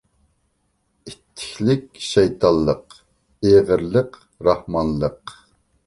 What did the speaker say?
ئىتتىكلىك—شەيتانلىق، ئېغىرلىق—راھمانلىق.